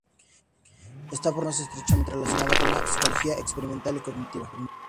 Está por lo tanto aún más estrechamente relacionada con la Psicología experimental y cognitiva.